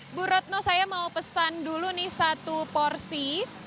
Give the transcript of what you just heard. ibu retno saya mau pesan dulu nih satu porsi